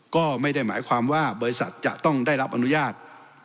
ก็ไม่ได้หมายความว่าบริษัทจะต้องได้รับอนุญาต